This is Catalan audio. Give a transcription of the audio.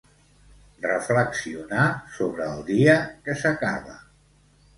Reflexionar sobre el dia que s’acaba.